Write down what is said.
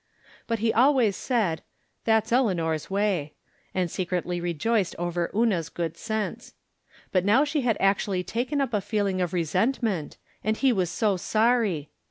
But he always said, " Tliat's Elea nor's way," and secretly rejoiced over Una's good sense. But now she had actually taken up a feeling of resentment, and he was so sorry